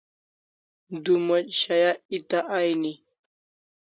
Du moch shaya eta aini